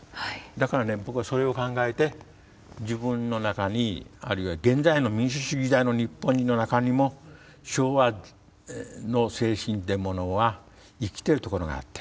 だからね僕はそれを考えて自分の中にあるいは現在の民主主義時代の日本の中にも昭和の精神っていうものは生きてるところがあって。